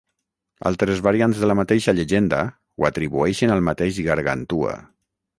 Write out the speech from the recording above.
Altres variants de la mateixa llegenda, ho atribueixen al mateix Gargantua.